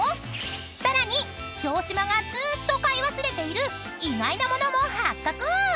［さらに城島がずーっと買い忘れている意外な物も発覚！］